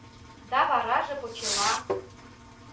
Да вараже почела